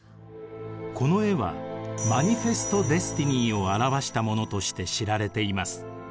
この絵はマニフェスト・デスティニーを表したものとして知られています。